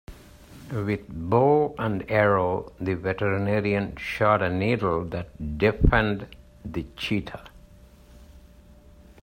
With bow and arrow the veterinarian shot a needle that deafened the cheetah.